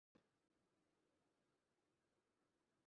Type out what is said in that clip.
غربت میں آ کے چمکا گمنام تھا وطن میں